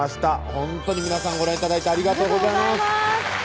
ほんとに皆さんご覧頂いてありがとうございます